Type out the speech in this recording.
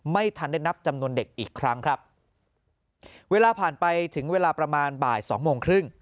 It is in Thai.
ไม่ทันได้นับจำนวนเด็กอีกครั้งครับเวลาผ่านไปถึงเวลาประมาณบ่ายสองโมงครึ่ง